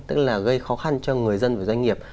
tức là gây khó khăn cho người dân và doanh nghiệp